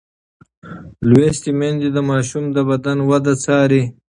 لوستې میندې د ماشوم د بدن وده څاري.